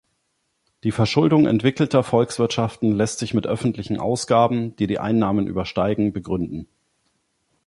Die Verschuldung entwickelter Volkswirtschaften lässt sich mit öffentlichen Ausgaben, die die Einnahmen übersteigen, begründen.